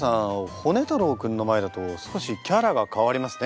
ホネ太郎君の前だと少しキャラが変わりますね。